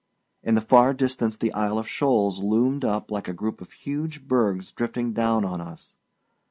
In the far distance the Isle of Shoals loomed up like a group of huge bergs drifting down on us.